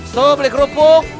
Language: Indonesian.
su beli kerupuk